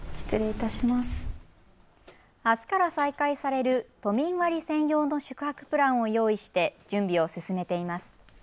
あすから再開される都民割専用の宿泊プランを用意して準備を進めています。